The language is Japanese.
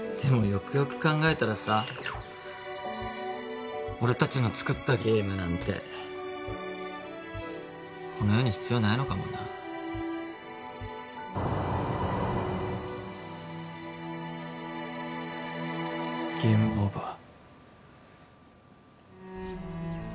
よくよく考えたらさ俺達の作ったゲームなんてこの世に必要ないのかもなゲームオーバー